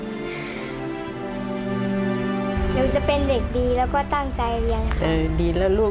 นุชจะเป็นเด็กดีและก็ตั้งใจเรียน